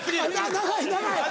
長い長い！